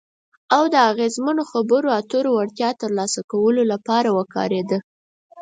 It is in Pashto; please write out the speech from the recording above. او د اغیزمنو خبرو اترو وړتیا ترلاسه کولو لپاره وکارېده.